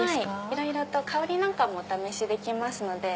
いろいろと香りなんかもお試しできますので。